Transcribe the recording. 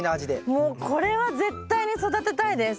もうこれは絶対に育てたいです。